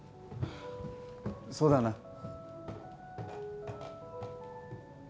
そうだな